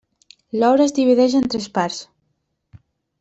L'obra es divideix en tres parts.